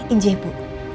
injil ya bu